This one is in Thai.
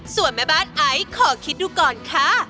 ส่วนแม่บ้านไอซ์ขอคิดดูก่อนค่ะ